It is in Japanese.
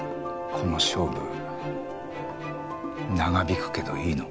この勝負長引くけどいいの？